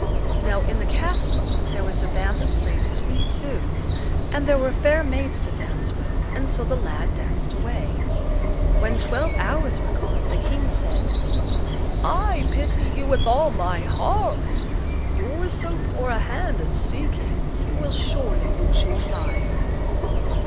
Now in the castle there was a band that played sweet tunes, and there were fair maids to dance with, and so the lad danced away. When twelve hours were gone, the King said: "I pity you with all my heart. You're so poor a hand at seeking; you will surely lose your life."